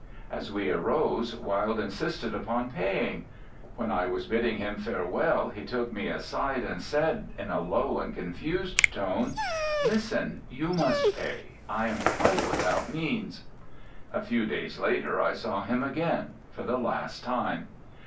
As we arose Wilde insisted upon paying. When I was bidding him farewell he took me aside and said, in a low and confused tone, "Listen: you must pay ... I am quite without means. ..." A few days later I saw him again for the last time.